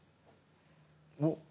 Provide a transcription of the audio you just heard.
おっ！